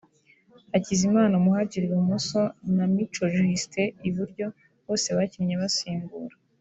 Hakizimana Muhadjili (Ibumoso) na Mico Justin (iburyo) bose bakinnye basimbura